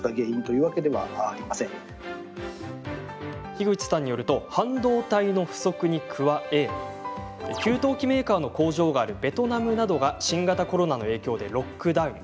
樋口さんによると半導体の不足に加え給湯器メーカーの工場があるベトナムなどが新型コロナの影響でロックダウン。